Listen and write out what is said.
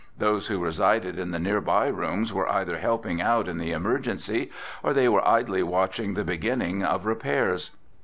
Those who resided in the nearby rooms were either helping out in the emergency, or they were idly watching the beginning of repairs.